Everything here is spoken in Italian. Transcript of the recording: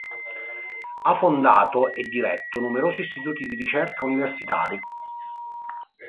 Ha fondato e diretto numerosi istituti di ricerca universitari.